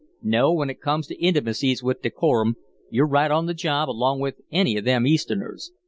"No, when it comes to intimacies with decorum, you're right on the job along with any of them Easterners.